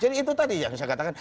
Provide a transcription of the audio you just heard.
itu tadi yang saya katakan